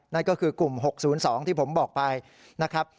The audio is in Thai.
นั่นก็คือกลุ่ม๖๐๒ที่ผมบอกไปนะครับ